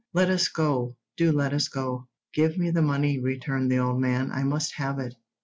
Let us go; do let us go." "Give me the money," returned the old man; "I must have it.